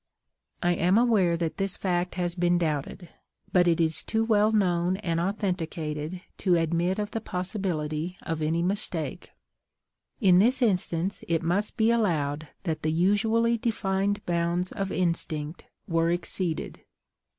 I am aware that this fact has been doubted, but it is too well known and authenticated to admit of the possibility of any mistake. In this instance it must be allowed that the usually defined bounds of instinct were exceeded.